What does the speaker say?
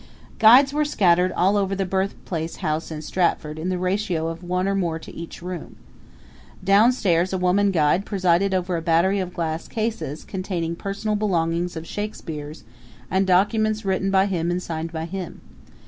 Guides were scattered all over the birthplace house in Stratford in the ratio of one or more to each room. Downstairs a woman guide presided over a battery of glass cases containing personal belongings of Shakspere's and documents written by him and signed by him.